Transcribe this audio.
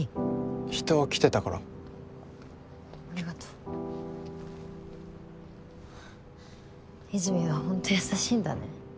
人が来てたからありがとう和泉はホント優しいんだね